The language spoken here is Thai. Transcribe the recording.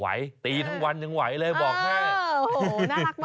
ไหวตีทั้งวันยังไหวเลยบอกแม่